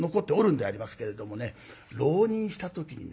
浪人した時にね